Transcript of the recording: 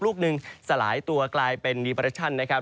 ลูกหนึ่งสลายตัวกลายเป็นดีเปรชั่นนะครับ